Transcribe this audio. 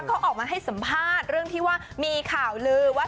เขาออกมาให้สัมภาษณ์เรื่องที่ว่ามีข่าวลือว่า